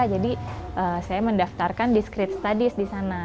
jadi saya mendaftarkan di skrit studies di sana